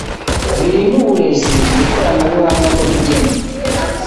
birimo uburezi, ikoranabuhanga n' ubugeni